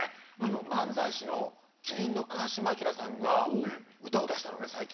漫才師の麒麟の川島明さんが歌を出したのね最近。